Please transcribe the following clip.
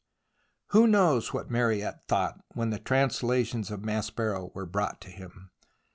Who knows what Mariette thought when the translations of Maspero were brought to him